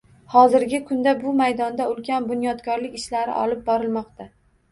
Hozirgi kunda bu maydonda ulkan bunyodkorlik ishlari olib borilmoqda